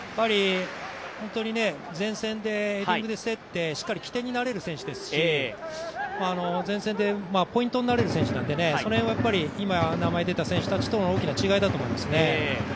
本当に前線でウイングで競って起点となれる選手ですので、前線でポイントになれる選手なので、それを今名前が出た選手との大きな違いだと思います。